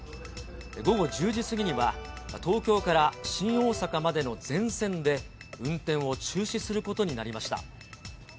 午後１０時過ぎには、東京から新大阪までの全線で運転を中止することになりました。